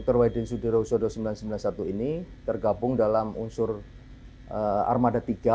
kri dr wahidin sudirohusodo sembilan ratus sembilan puluh satu ini tergabung dalam unsur armada tiga